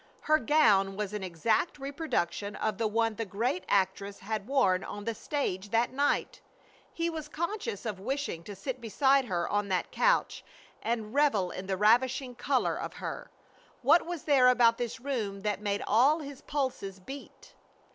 Her gown was an exact reproduction of the one the great actress had worn on the stage that night. He was conscious of wishing to sit beside her on that couch and revel in the ravishing color of her. What was there about this room that made all his pulses beat?